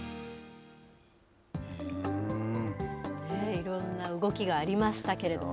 いろんな動きがありましたけれども。